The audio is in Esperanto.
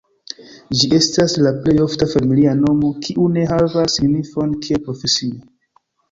Ĝi estas la plej ofta familia nomo kiu ne havas signifon kiel profesio.